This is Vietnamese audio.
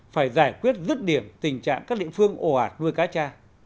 phải giải quyết rứt điểm tình trạng các địa phương ổ ạt nuôi cá tra